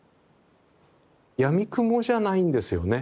やみくもじゃないんですよね。